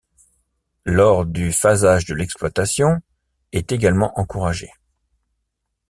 Lors du phasage de l’exploitation, est également encouragé.